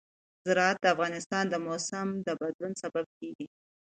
زراعت د افغانستان د موسم د بدلون سبب کېږي.